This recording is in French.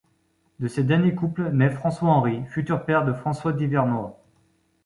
De ce dernier couple, nait François-Henri, futur père de François d'Ivernois.